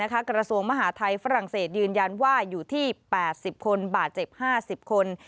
กระทรวงมหาทัยฝรั่งเศสยืนยันว่าอยู่ที่๘๐คนบาดเจ็บ๕๐คน